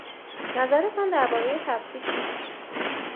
نظرتان دربارهی تپسی چیست؟